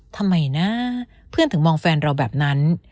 ทำไมนะเพื่อนถึงมองแฟนเราแบบนั้น